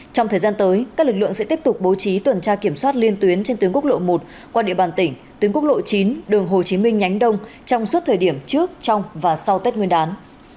trong thời gian tới các lực lượng sẽ tiếp tục bố trí tuần tra kiểm soát liên tuyến trên tuyến quốc lộ một qua địa bàn tỉnh tuyến quốc lộ chín đường hồ chí minh nhánh đông trong suốt thời điểm trước trong và sau tết nguyên đán